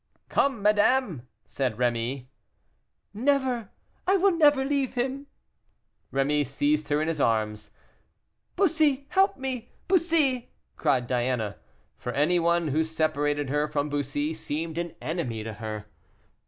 "Come, madame," said Rémy. "Never! I will never leave him." Rémy seized her in his arms. "Bussy, help me! Bussy!" cried Diana. For any one who separated her from Bussy, seemed an enemy to her.